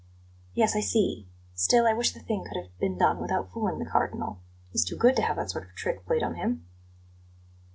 "Yes, I see. Still, I wish the thing could have been done without fooling the Cardinal. He's too good to have that sort of trick played on him."